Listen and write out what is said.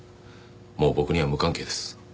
もう僕には無関係です。